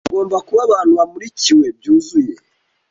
Bagomba kuba abantu bamurikiwe byuzuye